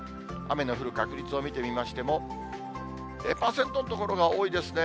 雨の降る確率を見てみましても、０％の所が多いですね。